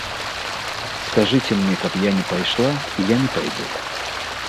Скажыце мне, каб я не пайшла, і я не пайду.